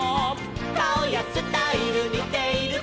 「かおやスタイルにているか」